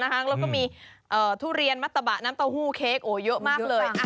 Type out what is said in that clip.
แล้วก็มีทุเรียนมัตตะบะน้ำเต้าหู้เค้กเยอะมากเลย